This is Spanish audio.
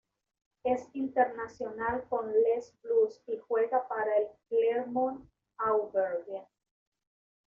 Es internacional con Les Blues y juega para el Clermont Auvergne.